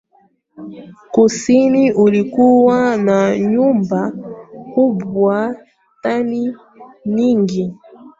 Kusini ulikuwa na nyumba kubwa tani nyingi